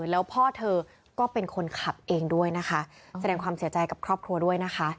แล้วพ่อเธอก็เป็นคนขับเองด้วยนะคะแสดงความเสียใจกับครอบครัวด้วยนะคะ